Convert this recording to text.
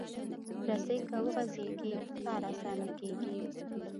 رسۍ که وغځېږي، کار اسانه کېږي.